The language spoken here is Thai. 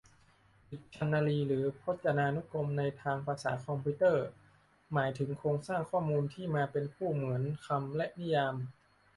ดิกชันนารีหรือพจนานุกรม ในทางภาษาคอมพิวเตอร์ หมายถึงโครงสร้างข้อมูลที่มาเป็นคู่ เหมือนคำและนิยาม